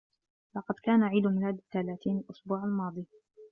لقد كان عيد ميلادي الثلاثين الأسبوع الماضي.